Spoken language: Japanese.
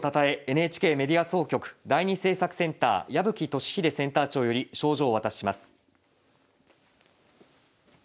ＮＨＫメディア総局第２制作センター矢吹寿秀センター長より賞状をお渡しします。